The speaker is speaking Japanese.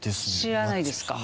知らないですか。